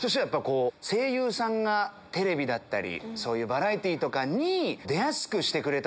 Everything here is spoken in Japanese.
声優さんがテレビだったりバラエティーとかに出やすくしてくれたというか。